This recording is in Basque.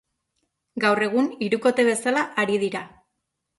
Gaur egun hirukote bezala ari dira.